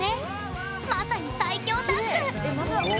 まさに最強タッグ！